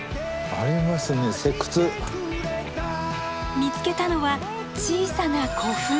見つけたのは小さな古墳。